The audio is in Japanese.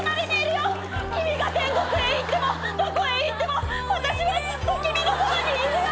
君が天国へ行ってもどこへ行っても私はずっと君のそばにいるよ。